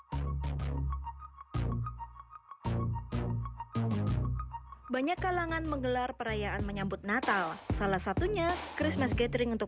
hai banyak kalangan menggelar perayaan menyambut natal salah satunya christmas gathering untuk